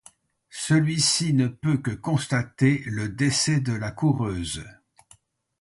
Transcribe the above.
Celui-ci ne peut que constater le décès de la coureuse.